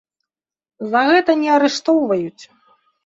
За гэта не арыштоўваюць.